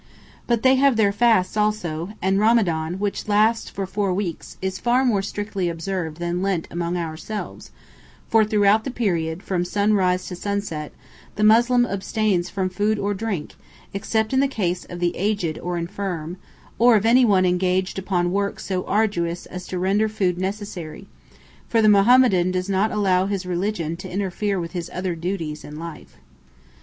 But they have their fasts also, and Ramadan, which lasts for four weeks, is far more strictly observed than Lent among ourselves, for throughout that period, from sunrise to sunset, the Moslem abstains from food or drink, except in the case of the aged or infirm, or of anyone engaged upon work so arduous as to render food necessary, for the Mohammedan does not allow his religion to interfere with his other duties in life.